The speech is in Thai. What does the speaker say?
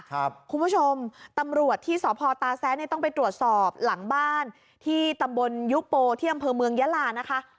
คุณผู้ชมตำรวจที่สพตาแซะเนี่ยต้องไปตรวจสอบหลังบ้านที่ตำบลยุโปที่อำเภอเมืองยาลานะคะ